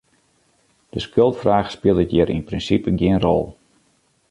De skuldfraach spilet hjir yn prinsipe gjin rol.